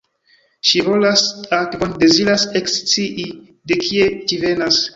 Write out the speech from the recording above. Ŝi volas akvon — deziras ekscii de kie ĝi venas.